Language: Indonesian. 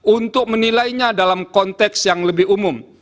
untuk menilainya dalam konteks yang lebih umum